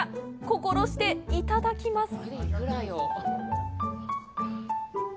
心していただきます！